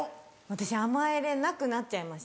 私甘えれなくなっちゃいました。